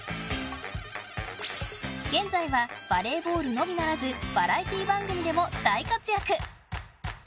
現在はバレーボールのみならずバラエティー番組でも大活躍。